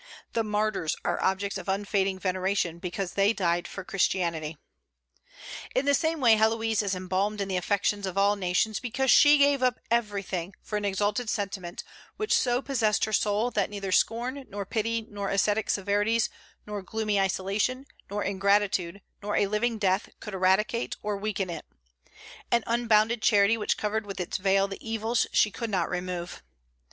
The martyrs are objects of unfading veneration, because they died for Christianity. In the same way Héloïse is embalmed in the affections of all nations because she gave up everything for an exalted sentiment which so possessed her soul that neither scorn, nor pity, nor ascetic severities, nor gloomy isolation, nor ingratitude, nor a living death could eradicate or weaken it, an unbounded charity which covered with its veil the evils she could not remove.